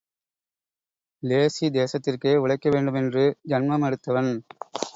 Lazy தேசத்திற்கே உழைக்கவேண்டுமென்று ஜன்மமெடுத்தவன்.